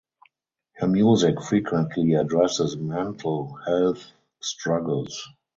Her music frequently addresses mental health struggles.